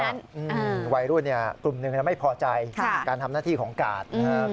ปรากฏว่าวัยรุ่นนี้กลุ่มหนึ่งไม่พอใจการทำหน้าที่ของกาด